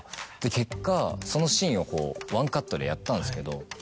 結果そのシーンをこうワンカットでやったんですけど。